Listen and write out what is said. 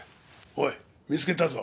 おい見つけたぞ。